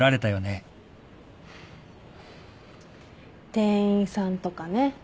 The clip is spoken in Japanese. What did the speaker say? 店員さんとかね。